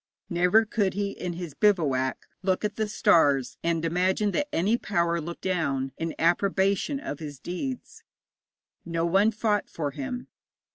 Never could he in his bivouac look at the stars, and imagine that any power looked down in approbation of his deeds. No one fought for him.